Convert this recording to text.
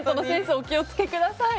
お気をつけてください。